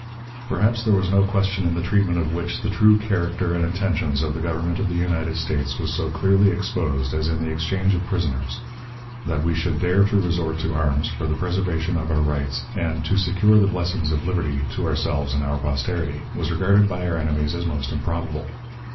Perhaps there was no question in the treatment of which the true character and intentions of the Government of the United States was so clearly exposed as in the exchange of prisoners. That we should dare to resort to arms for the preservation of our rights, and "to secure the blessings of liberty to ourselves and our posterity," was regarded by our enemies as most improbable.